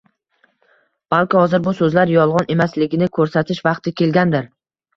Balki hozir bu so'zlar yolg'on emasligini ko'rsatish vaqti kelgandir?